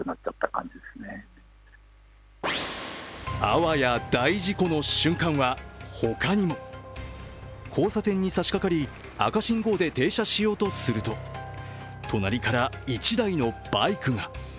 あわや大事故の瞬間は他にも。交差点にさしかかり、赤信号で停車しようとすると隣から１台のバイクが。